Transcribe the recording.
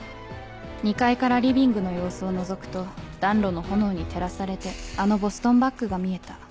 ２階からリビングの様子をのぞくと暖炉の炎に照らされてあのボストンバッグが見えた。